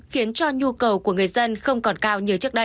khiến cho nhu cầu của người dân không còn cao